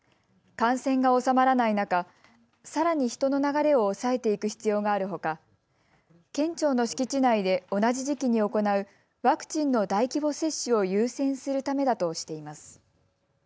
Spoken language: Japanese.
感染が収まらない中、さらに人の流れを抑えていく必要があるほか県庁の敷地内で同じ時期に行うワクチンの大規模接種を優先するためだとしています。